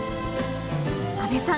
阿部さん